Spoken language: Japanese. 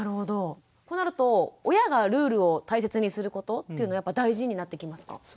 となると親がルールを大切にすることというのやっぱ大事になってきますか？